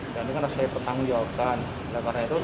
dan ini kan harus saya pertanggungjawabkan